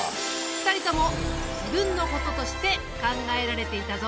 ２人とも自分のこととして考えられていたぞ。